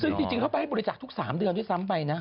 ซึ่งจริงเขาไปให้บริจาคทุก๓เดือนด้วยซ้ำไปนะ